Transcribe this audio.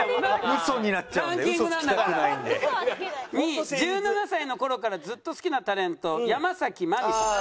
２位１７歳の頃からずっと好きなタレント山崎真実さん。